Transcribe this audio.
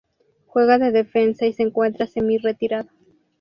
Juega de defensa y se encuentra semi-retirado.